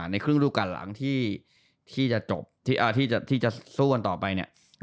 ในครึ่งรูปการหลังที่จะจบที่จะสู้กันต่อไปเนี่ย